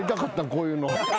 こういうの。